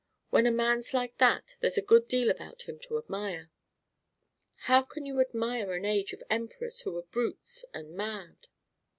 When a man's like that, there's a good deal about him to admire." "How can you admire an age of emperors who were brutes and mad?"